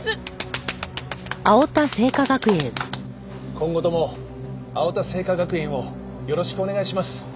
今後とも青田製菓学園をよろしくお願いします。